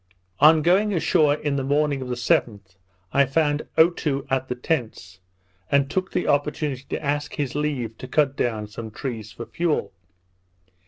On going ashore in the morning of the 7th, I found Otoo at the tents, and took the opportunity to ask his leave to cut down some trees, for fuel.